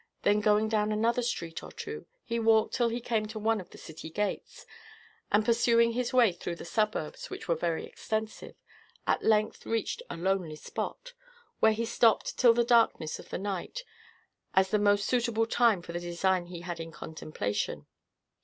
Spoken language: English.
Then going down another street or two, he walked till he came to one of the city gates, and pursuing his way through the suburbs, which were very extensive, at length reached a lonely spot, where he stopped till the darkness of the night, as the most suitable time for the design he had in contemplation.